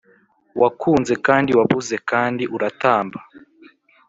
wakunze kandi wabuze kandi uratamba.